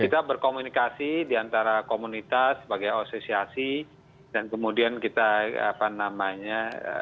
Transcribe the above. kita berkomunikasi di antara komunitas sebagai asosiasi dan kemudian kita apa namanya